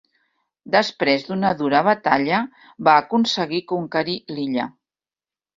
Després d'una dura batalla, va aconseguir conquerir l'illa.